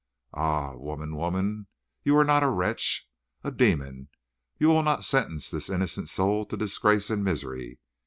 Ah, woman, woman, you are not a wretch a demon! You will not sentence this innocent soul to disgrace and misery.